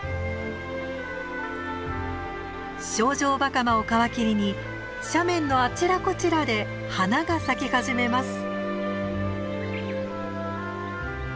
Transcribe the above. ショウジョウバカマを皮切りに斜面のあちらこちらで花が咲き始めます。